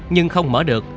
nhưng không mở được